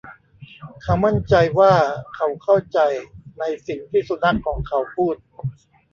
เขามั่นใจว่าเขาเข้าใจในสิ่งที่สุนัขของเขาพูด